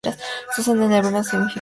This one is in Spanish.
Susan en hebreo significa "nenúfar".